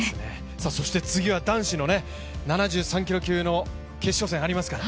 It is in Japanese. そして次は男子の７３キロ級の決勝戦がありますから。